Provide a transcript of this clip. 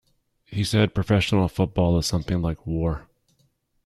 He said, Professional football is something like war.